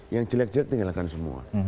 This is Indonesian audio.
yang jelek jelek tinggalkan semua